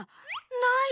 ない！